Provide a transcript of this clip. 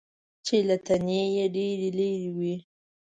چې له تنې یې ډېرې لرې وي .